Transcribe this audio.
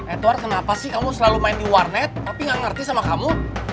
edward kenapa sih kamu selalu main di luar net tapi enggak ngerti sama kamu